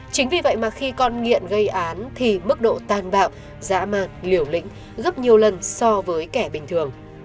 chính vì vậy mà khi con nghiện gây án thì mức độ tàn bạo dã man liều lĩnh gấp nhiều lần so với kẻ bình thường